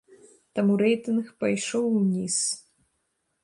Таму рэйтынг пайшоў уніз.